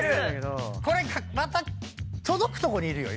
これまた届くとこにいるよ